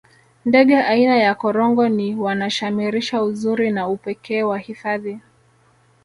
ndege aina ya korongo ni wanashamirisha uzuri na upekee wa hifadhi